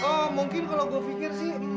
ya mungkin kalau gue pikir sih